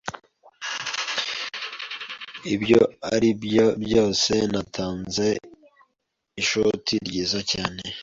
Ibyo ari byo byose, natanze ishoti ryiza cyane.